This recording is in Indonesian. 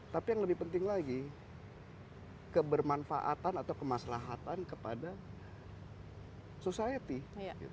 tapi yang lebih penting lagi kebermanfaatan atau kemaslahatan kepada society